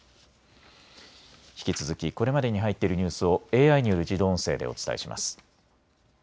引き続きこれまでに入っているニュースをＡＩによる自動音声でお伝えします。